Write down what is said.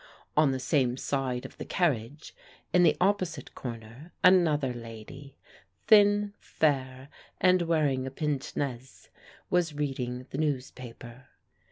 On the same side of the carriage, in the opposite corner, another lady (thin, fair, and wearing a pince nez) was reading the newspaper.